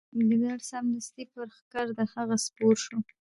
ګیدړ سمدستي پر ښکر د هغه سپور سو